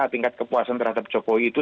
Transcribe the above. tingkat kepuasan terhadap jokowi itu